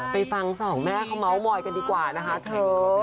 ไปฟังสองแม่เขาเมาส์มอยกันดีกว่านะคะเธอ